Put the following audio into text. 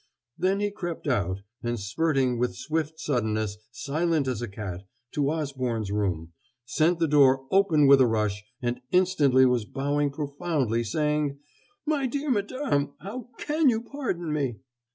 Then he crept out, and spurting with swift suddenness, silent as a cat, to Osborne's room, sent the door open with a rush, and instantly was bowing profoundly, saying: "My dear madam! how can you pardon me?"